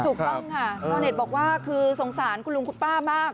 ชาวเน็ตบอกว่าคือสงสารคุณลุงคุณป้ามาก